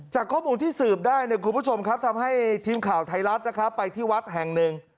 จากข้อมูลที่สืบได้เนี่ยคุณผู้ชมครับทำให้ทีมข่าวไทยรัฐนะครับไปที่วัดแห่งหนึ่ง